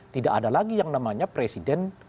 tidak ada lagi yang namanya presiden